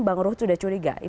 bang ruhut sudah curiga